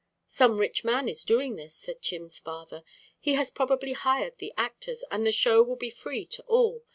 "Some rich man is doing this," said Chin's father. "He has probably hired the actors, and the show will be free to all.